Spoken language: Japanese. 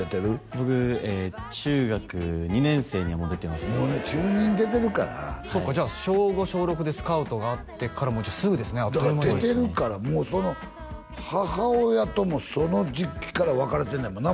僕中学２年生にはもう出てますね中２で出てるから小５小６でスカウトがあってからもうすぐですねあっという間に出てるからもうその母親ともその時期から別れてるんやもんな